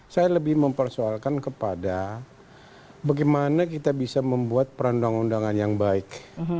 saya lebih mempersoalkan kepada bagaimana kita bisa membuat perundang undangan yang baik